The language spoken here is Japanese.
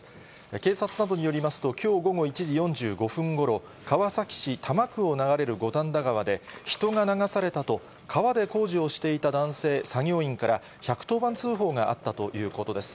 警察などによりますと、きょう午後１時４５分ごろ、川崎市多摩区を流れる五反田川で、人が流されたと、川で工事をしていた男性作業員から１１０番通報があったということです。